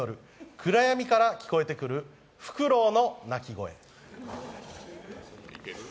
暗闇から聞こえてくる、ふくろうの鳴き声。